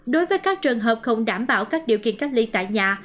đối với các trường hợp không đảm bảo các điều kiện cách ly tại nhà